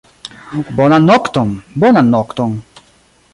Bonan nokton, bonan nokton.